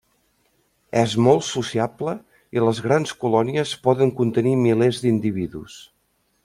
És molt sociable i les grans colònies poden contenir milers d'individus.